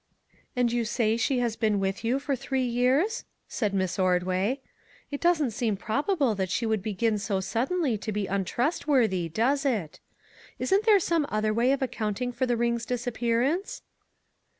" And you say she has been with you for three years ?" said Miss Ordway. " It doesn't seem probable that she should begin so sud denly to be untrustworthy, does it ? Isn't there some other way of accounting for the ring's disappearance